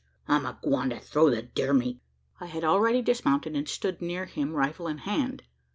I'm agwine to throw the deer meat!" I had already dismounted, and stood near him rifle in hand.